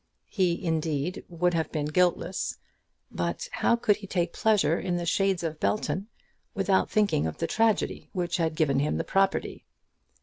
He, indeed, would have been guiltless; but how could he take his pleasure in the shades of Belton without thinking of the tragedy which had given him the property?